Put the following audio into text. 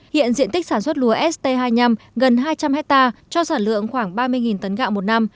hiện diện tích sản xuất lúa st hai mươi năm gần hai trăm linh hectare cho sản lượng khoảng ba mươi tấn gạo một năm